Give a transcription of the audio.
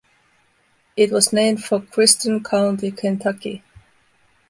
It was named for Christian County, Kentucky.